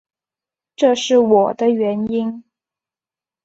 这是我的原因